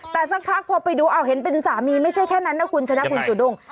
แต่สักพักพอไปดูเอาเห็นเป็นสามีไม่ใช่แค่นั้นนะคุณชนะคุณจูด้ง